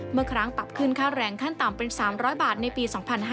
เมื่อครั้งปรับขึ้นค่าแรงขั้นต่ำเป็น๓๐๐บาทในปี๒๕๕๙